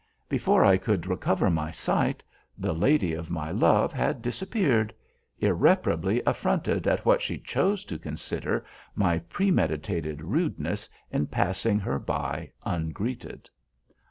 Before I could recover my sight, the lady of my love had disappeared—irreparably affronted at what she chose to consider my premeditated rudeness in passing her by ungreeted.